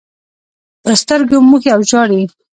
پر سترګو موښي او ژاړي.